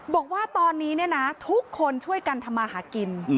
บอกว่าตอนนี้ทุกคนช่วยกันทำมาหากิน